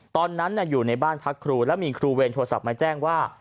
ตอนนั้นอยู่ในบ้านพักครูแล้วมีครูเวรโทรศัพท์มาแจ้งว่า